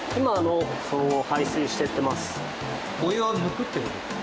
お湯を抜くって事ですか？